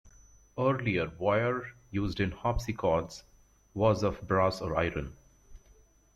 Earlier wire, used in harpsichords, was of brass or iron.